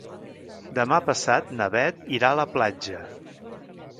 Demà passat na Beth irà a la platja.